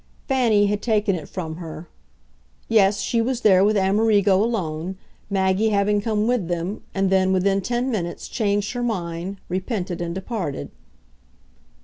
Fanny had taken it from her: yes, she was there with Amerigo alone, Maggie having come with them and then, within ten minutes, changed her mind, repented and departed.